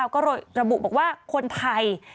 ก็ระบุบอกว่าคนไทย